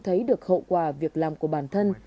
thấy được hậu quả việc làm của bản thân